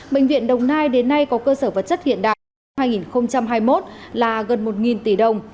bệnh viện đồng nai đến nay có cơ sở vật chất hiện đại năm hai nghìn hai mươi một là gần một tỷ đồng